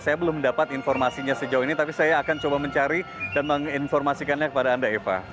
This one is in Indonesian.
saya belum mendapat informasinya sejauh ini tapi saya akan coba mencari dan menginformasikannya kepada anda eva